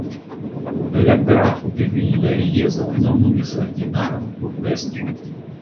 La Grafo de Villariezo nomumis ordinaran urbestron.